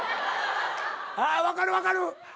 あ分かる分かる。